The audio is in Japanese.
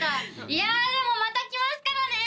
いやでもまた来ますからね！